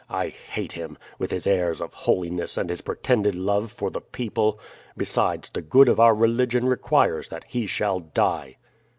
I hate him, with his airs of holiness and his pretended love for the people. Besides, the good of our religion requires that he shall die."